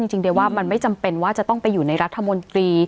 จริงเดียวว่ามันไม่จำเป็นว่าจะต้องไปอยู่ในรัฐมนตรี